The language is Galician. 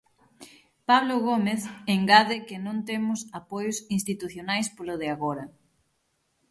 Pablo Gómez engade que non temos apoios institucionais, polo de agora.